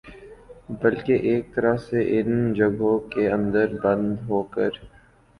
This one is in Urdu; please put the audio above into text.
بلکہ ایک طرح سے ان جگہوں کے اندر بند ہوکر